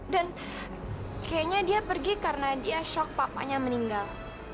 dan kayaknya dia pergi karena dia shock papanya meninggal